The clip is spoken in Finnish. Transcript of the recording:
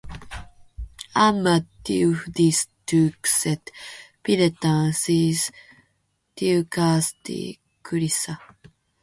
Ammattiyhdistykset pidetään siis tiukasti kurissa.